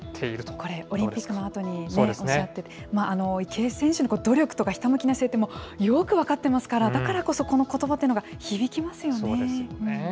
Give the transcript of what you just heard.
これ、オリンピックのあとにおっしゃってて、池江選手の努力とかひたむきな姿勢ってよく分かっていますから、だからこそこのそうですよね。